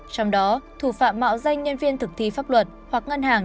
trong đó thủ phạm mạo danh nhân viên thực thi pháp luật hoặc ngân hàng